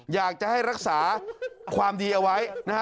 อยากจะให้รักษาความดีเอาไว้นะฮะ